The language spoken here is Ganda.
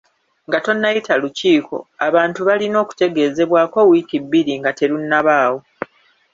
Nga tonnayita lukiiko, abantu balina okutegeezebwako wiiki bbiri nga terunnabaawo.